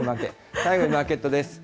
最後にマーケットです。